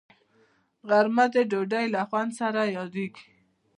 غرمه د ډوډۍ له خوند سره یادیږي